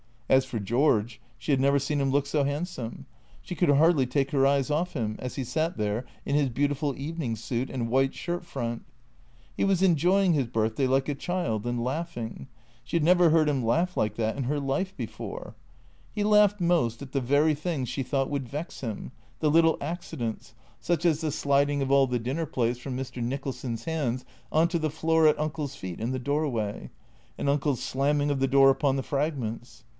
As for George, she had never seen him look so handsome. She could hardly take her eyes off him, as he sat there in his beautiful evening suit and white shirt front. He was enjoying his birthday like a child, and laughing — she had never heard him laugh like that in her life before. He laughed most at the very things she thought would vex him, the little accidents, such as the sliding THE ORE A TOES 299 of all the dinner plates from Mr. Nicholson's hands on to the floor at Uncle's feet in the doorway, and Uncle's slamming of the door upon the fragments.